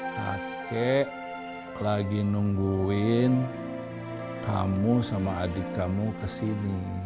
kakek lagi nungguin kamu sama adik kamu kesini